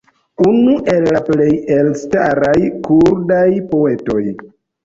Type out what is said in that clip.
unu el la plej elstaraj kurdaj poetoj